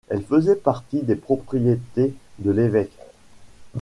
Elle faisait partie des propriétés de l'évêque.